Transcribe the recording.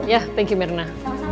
ya terima kasih merena